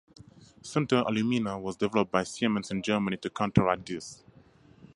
Sintered alumina was developed by Siemens in Germany to counteract this.